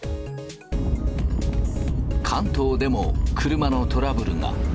関東でも車のトラブルが。